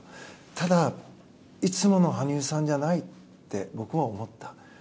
ただいつもの羽生さんじゃないって僕は思った。